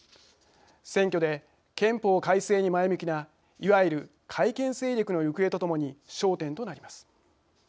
選挙で、憲法改正に前向きないわゆる改憲勢力の行方とともに焦点となります。